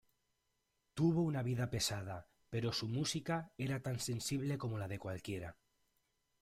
Tuvo una vida pesada, pero su música era tan sensible como la de cualquiera.